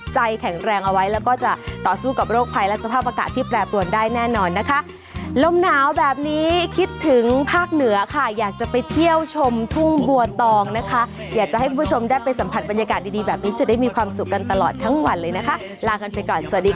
เช้าแบบนี้คิดถึงภาคเหนือค่ะอยากจะไปเที่ยวชมทุ่งบัวตองนะคะอยากจะให้คุณผู้ชมได้ไปสัมผัสบรรยากาศดีแบบนี้จะได้มีความสุขกันตลอดทั้งวันเลยนะคะลาเงินไปก่อนสวัสดีค่ะ